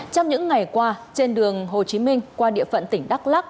trong những ngày qua trên đường hồ chí minh qua địa phận tỉnh đắk lắc